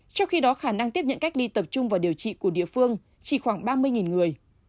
trong khi đó khả năng tiếp nhận cách ly tập trung và điều trị của địa phương chỉ khoảng ba mươi người